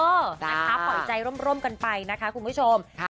นะคะปล่อยใจร่มกันไปนะคะคุณผู้ชม